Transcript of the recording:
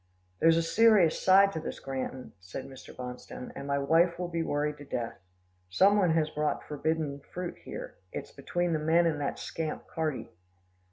"There's a serious side to this, Granton," said Mr. Bonstone, "and my wife will be worried to death. Some one has brought forbidden fruit here. It's between the men and that scamp Carty."